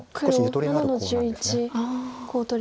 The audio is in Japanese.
黒７の十一コウ取り。